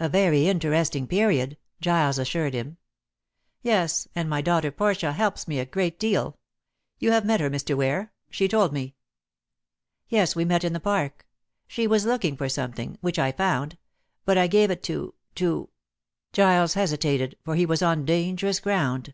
"A very interesting period," Giles assured him. "Yes; and my daughter Portia helps me a great deal. You have met her, Mr. Ware. She told me." "Yes; we met in the park. She was looking for something, which I found; but I gave it to to " Giles hesitated, for he was on dangerous ground.